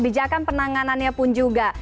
bijakan penanganannya pun juga